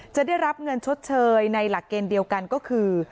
จะได้รับเงินชดเชยในหลักเกณฑ์เดียวกันก็คือ